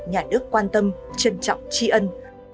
nhà nước quan tâm trân trọng tri ân